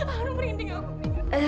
harum ringan tinggal